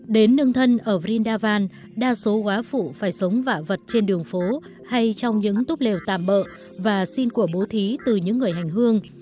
đến nương thân ở vrindavan đa số quá phụ phải sống vạ vật trên đường phố hay trong những túc lều tạm bợ và xin của bố thí từ những người hành hương